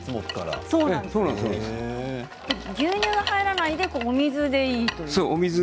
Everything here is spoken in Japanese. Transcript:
牛乳が入らないでお水でいいと。